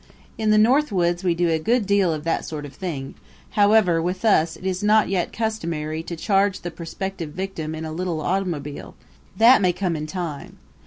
In the North Woods we do a good deal of that sort of thing: however with us it is not yet customary to charge the prospective victim in a little automobile that may come in time.